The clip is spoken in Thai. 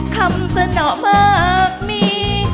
คำเสนอมากมี